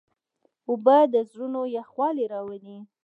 اوبه د زړونو یخوالی راولي.